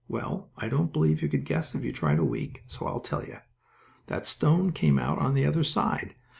Well, I don't believe you could guess if you tried a week, so I'll tell you. That stone came out on the other side.